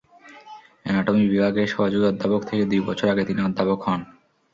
Anatomy বিভাগের সহযোগী অধ্যাপক থেকে দুই বছর আগে তিনি অধ্যাপক হন।